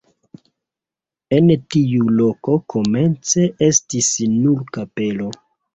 En tiu loko komence estis nur kapelo.